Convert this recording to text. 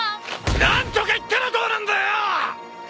何とか言ったらどうなんだよ！